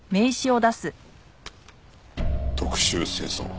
特殊清掃。